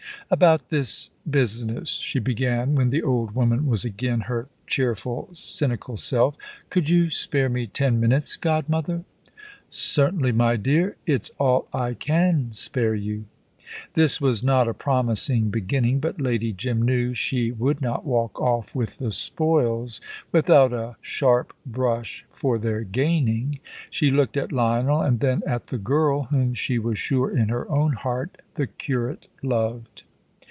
"About this business," she began, when the old woman was again her cheerful, cynical self: "could you spare me ten minutes, godmother?" "Certainly, my dear. It's all I can spare you." This was not a promising beginning, but Lady Jim knew she would not walk off with the spoils without a sharp brush for their gaining. She looked at Lionel, and then at the girl, whom she was sure in her own heart the curate loved.